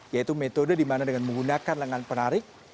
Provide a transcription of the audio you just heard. yaitu metode di mana dengan menggunakan lengan penarik